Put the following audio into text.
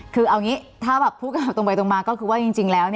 คือเอาอย่างนี้ถ้าพูดตรงไปตรงมาก็คือว่าจริงแล้ว